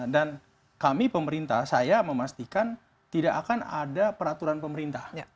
dan kami pemerintah saya memastikan tidak akan ada peraturan pemerintah